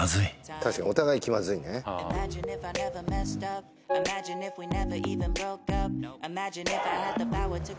確かにお互い気まずいねはあ